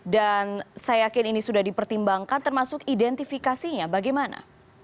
dan saya yakin ini sudah dipertimbangkan termasuk identifikasinya bagaimana